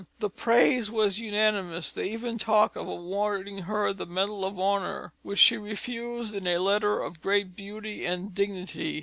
The praise was unanimous; they even talked of awarding her the medal of honour which she refused in a letter of great beauty and dignity.